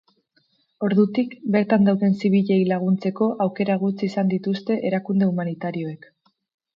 Ordutik, bertan dauden zibilei laguntzeko aukera gutxi izan dituzte erakunde humanitarioek.